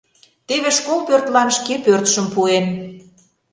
Теве школ пӧртлан шке пӧртшым пуэн.